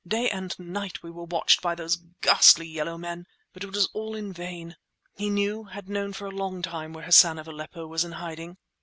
Day and night we were watched by those ghastly yellow men! But it was all in vain. He knew, had known for a long time, where Hassan of Aleppo was in hiding!"